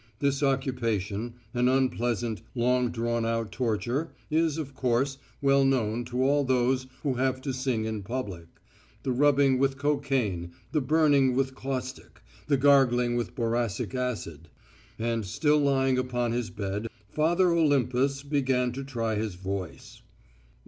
This occupation an unpleasant, long drawn out torture is, of course, well known to all those who have to sing in public: the rubbing with cocaine, the burning with caustic, the gargling with boracic acid. And, still lying upon his bed, Father Olympus began to try his voice.